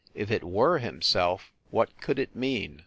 If it were himself what could it mean?